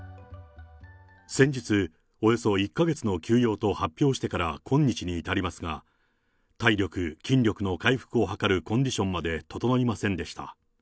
先日、およそ１か月の休養と発表してから今日に至りますが、体力、筋力の回復を図るコンディション迄整いませんでした。